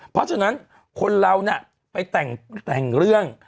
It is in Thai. ดังนั้นคนเราน่ะไปแต่งเรื่อง